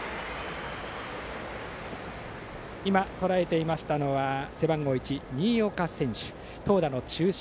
今、とらえていましたのは背番号１新岡選手、投打の中心。